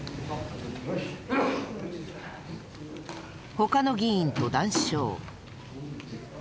他の議員と談笑。